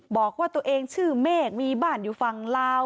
บอกว่าตัวเองชื่อเมฆมีบ้านอยู่ฝั่งลาว